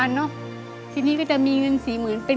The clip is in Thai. อันนี้ก็จะมีเงิน๔๐๐๐๐เป็นเงินกู